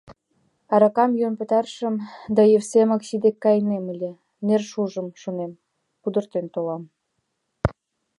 Аракам йӱын пытарышым да Евсе Макси дек кайынем ыле, нер шужым, шонем, пудыртен толам.